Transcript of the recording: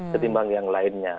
ketimbang yang lainnya